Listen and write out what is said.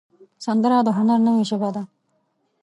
سندره د هنر نوې ژبه ده